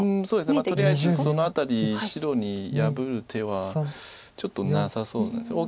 そうですねとりあえずその辺り白に破る手はちょっとなさそうです。